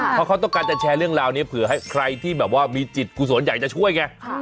เพราะเขาต้องการจะแชร์เรื่องราวนี้เผื่อให้ใครที่แบบว่ามีจิตกุศลอยากจะช่วยไง